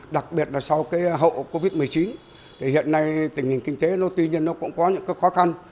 đặc biệt là sau hậu covid một mươi chín hiện nay tình hình kinh tế tuy nhiên cũng có những khó khăn